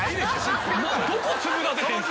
どこ粒立ててんすか？